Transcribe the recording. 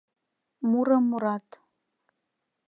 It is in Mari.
Мурым мурат: